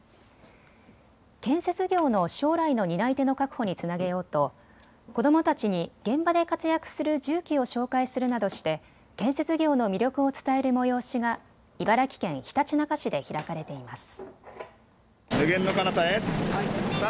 建設業の将来の担い手の確保につなげようと子どもたちに現場で活躍する重機を紹介するなどして建設業の魅力を伝える催しが茨城県ひたちなか市で開かれています。